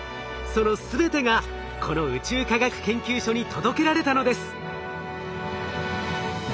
その全てがこの宇宙科学研究所に届けられたのです。